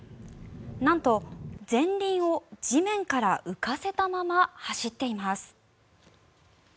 なんと前輪を地面から浮かせたまま走っています。